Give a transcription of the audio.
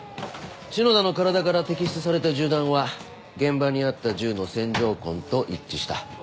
篠田の体から摘出された銃弾は現場にあった銃の線条痕と一致した。